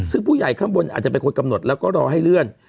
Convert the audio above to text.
ซึ่งผู้ใหญ่ข้างบนอาจจะเป็นคนกำหนดแล้วก็รอให้เลื่อน